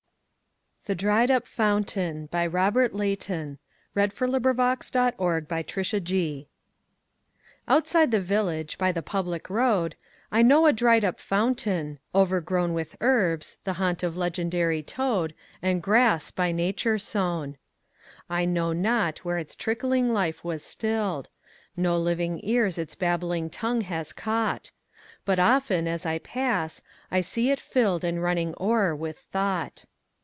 Anthology, 1837–1895. 1895. Robert Leighton 1822–69 The Dried up Fountain OUTSIDE the village, by the public road,I know a dried up fountain, overgrownWith herbs, the haunt of legendary toad, And grass, by Nature sown.I know not where its trickling life was still'd; No living ears its babbling tongue has caught; But often, as I pass, I see it fill'dAnd running o'er with thought.